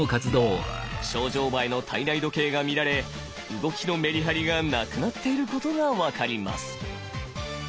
ショウジョウバエの体内時計が乱れ動きのメリハリがなくなっていることが分かります。